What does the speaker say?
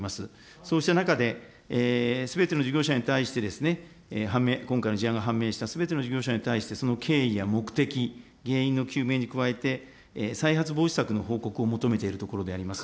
そうした中で、すべての事業者に対して、今回の事案が判明したすべての事業者に対して、その経緯や目的、原因の究明に加えて、再発防止策の報告を求めているところであります。